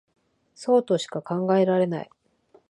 そうとしか考えられない